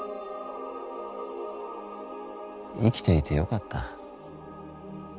生きていてよかった。